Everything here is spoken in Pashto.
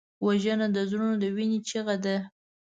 وژنه د زړونو د وینې چیغه ده